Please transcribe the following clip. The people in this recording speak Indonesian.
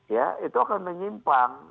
ya itu akan menyimpan